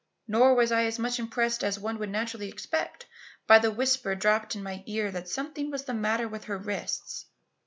Nor was I as much impressed as one would naturally expect by the whisper dropped in my ear that something was the matter with her wrists.